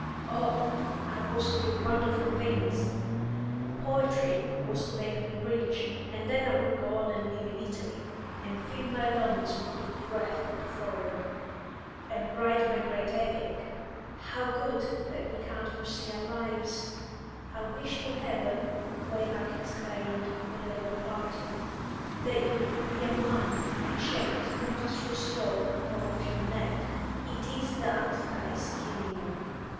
Oh, I was to do wonderful things! Poetry was to make me rich, and then I would go and live in Italy, and fill my lungs with the breath of the Forum, and write my great Epic. How good that we can't foresee our lives!" "I wish to heaven," Waymark exclaimed, when they were parting, "that you would be a man and shake this monstrous yoke from off your neck! It is that that is killing you.